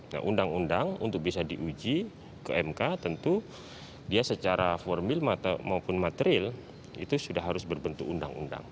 nah undang undang untuk bisa diuji ke mk tentu dia secara formil maupun material itu sudah harus berbentuk undang undang